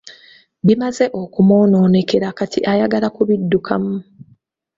Bimaze okukwonoonekera kati oyagala kubiddukamu.